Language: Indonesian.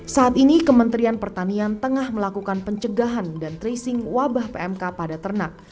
saat ini kementerian pertanian tengah melakukan pencegahan dan tracing wabah pmk pada ternak